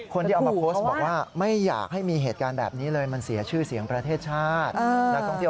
คนที่เอามาโพสต์บอกว่าไม่อยากให้มีเหตุการณ์แบบนี้เลยมันเสียชื่อเสียงประเทศชาตินักท่องเที่ยว